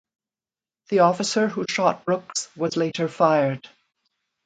The officer who shot Brooks was later fired.